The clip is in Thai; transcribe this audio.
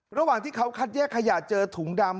ระหว่างที่เขาคัดแยกขยะเจอถุงดำ